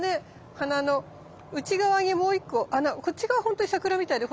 花の内側にもう１個こっち側本当にサクラみたいだよ